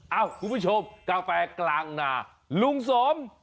คุณผู้ชมกาแฟกลางนาลุงสม